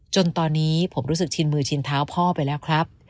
จนตอนนี้ผมรู้สึกชินมือชินเท้าพ่อไปแล้วครับ